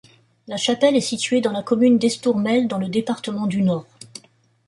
La chapelle est située dans la commune d'Estourmel, dans le département du Nord.